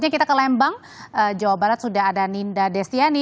kita ke lembang jawa barat sudah ada ninda destiani